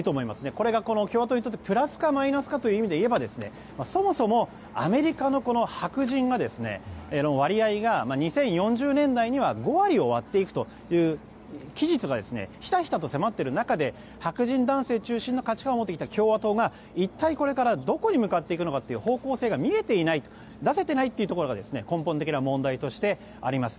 これが共和党にとってプラスかマイナスかでいうとそもそもアメリカの白人の割合が２０４０年代には５割を割っていくという期日がひたひたと迫っている中で白人男性中心の価値観を持ってきた共和党が一体これからどこに向かっていくのかという方向性が見えていない出せていないというところが根本的な問題としてあります。